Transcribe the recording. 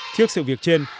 trước sự việc trên